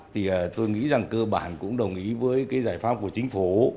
thì tôi nghĩ rằng cơ bản cũng đồng ý với cái giải pháp của chính phủ